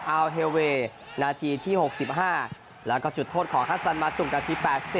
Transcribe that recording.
เฮลเวย์นาทีที่๖๕แล้วก็จุดโทษของฮัสซันมาตุกนาที๘๐